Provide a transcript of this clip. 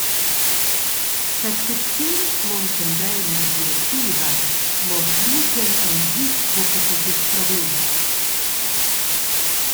Prescripziuns muntien bein ina directiva, mo sligien aunc ditg buca tut ils problems.